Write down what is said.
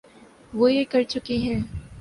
وہ یہ کر چکے ہیں۔